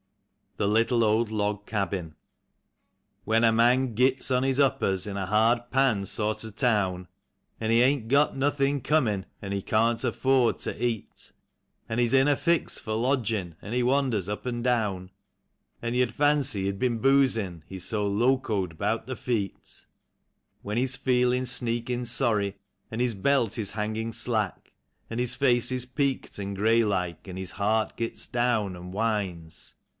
57 THE LITTLE OLD LOG CABIN. WiiEX a man gits on his uppers in a hard pan sort of town, An' he ain't got nothin' comin', an' he can't afford ter eat, An' he's in a fix fer lodgin,' an' he wanders up an' down, An' you'd fancy he'd been boozin', he's so locoed 'bout the feet; When he's feel in' sneakin' sorry, an' his belt is hangin' slack, An' his face is peaked an' grey like, an' his heart gits down an' whines.